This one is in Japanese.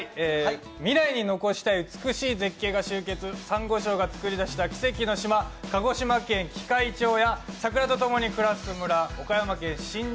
未来に残したい美しい絶景が集結、さんご礁が作り出した奇跡の島、鹿児島県喜界町や桜とともに暮らす村